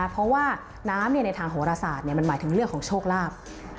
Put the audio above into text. เพราะว่าน้ำในทางโหรศาสตร์มันหมายถึงเรื่องของโชคลาภ